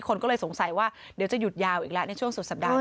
คนก็เลยสงสัยว่าเดี๋ยวจะหยุดยาวอีกแล้วในช่วงสุดสัปดาห์